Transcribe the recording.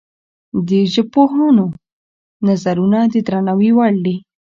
د ژبپوهانو نظرونه د درناوي وړ دي.